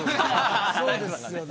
そうですよね。